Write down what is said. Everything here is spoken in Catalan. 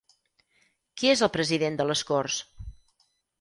Qui és el president de les Corts?